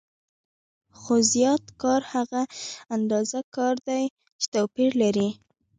خو زیات کار هغه اندازه کار دی چې توپیر لري